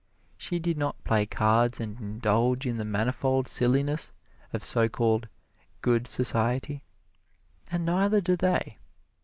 She did not play cards and indulge in the manifold silliness of so called good society, and neither do they.